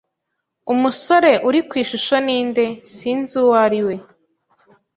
"Umusore uri ku ishusho ni nde?" "Sinzi uwo ari we."